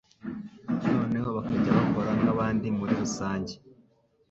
noneho bakajya bakora nk'abandi muri rusange.